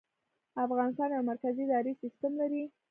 افغانستان یو مرکزي اداري سیستم لري